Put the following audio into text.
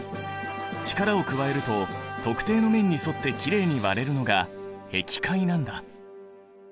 力を加えると特定の面に沿ってきれいに割れるのがへき開なんだ。